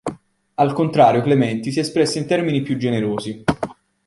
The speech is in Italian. Al contrario Clementi si espresse in termini più generosi.